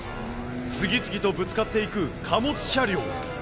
次々とぶつかっていく貨物車両。